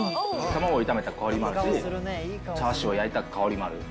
卵を炒めた香りもあるし、チャーシューを焼いた香りもある。